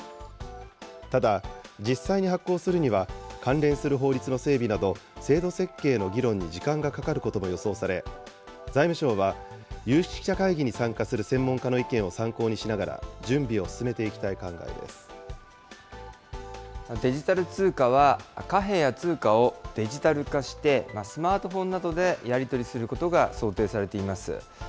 ただ、実際に発行するには、関連する法律の整備など、制度設計の議論に時間がかかることも予想され、財務省は有識者会議に参加する専門家の意見を参考にしながら準備デジタル通貨は、貨幣や通貨をデジタル化して、スマートフォンなどでやり取りすることが想定されています。